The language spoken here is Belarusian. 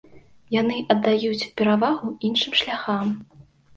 Яны аддаюць перавагу іншым шляхам.